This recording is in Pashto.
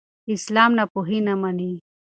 اسلام ناپوهي نه مني.